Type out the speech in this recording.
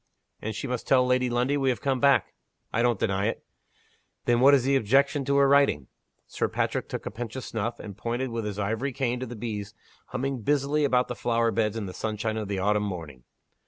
"And she must tell Lady Lundie we have come back." "I don't deny it." "Then what is the objection to her writing?" Sir Patrick took a pinch of snuff and pointed with his ivory cane to the bees humming busily about the flower beds in the sunshine of the autumn morning.